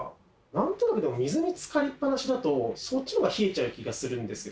なんとなくでも水に浸かりっぱなしだとそっちのが冷えちゃう気がするんですけど。